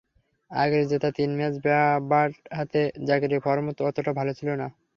আগের জেতা তিন ম্যাচে ব্যাট হাতে জাকিরের ফর্ম ততটা ভালো ছিল না।